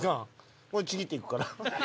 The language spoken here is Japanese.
これちぎっていくから。